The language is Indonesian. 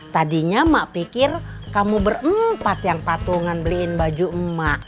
tadinya mak pikir kamu berempat yang patungan beliin baju emak